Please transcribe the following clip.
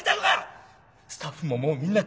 スタッフももうみんな首だ！